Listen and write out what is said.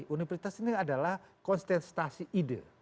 universitas ini adalah konsentrasi ide